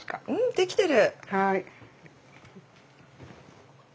できてる。